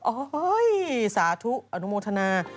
โอ้โหสาธุอนุโมทนา